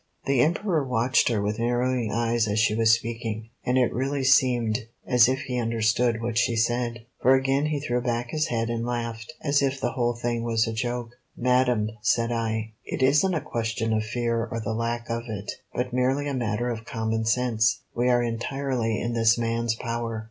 The Emperor watched her with narrowing eyes as she was speaking, and it really seemed as if he understood what she said; for again he threw back his head and laughed, as if the whole thing was a joke. "Madam," said I, "it isn't a question of fear or the lack of it, but merely a matter of common sense. We are entirely in this man's power."